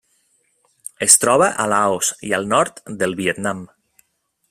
Es troba a Laos i al nord del Vietnam.